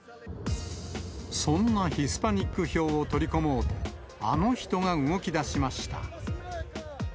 そんなヒスパニック票を取り込もうと、あの人が動きだしました。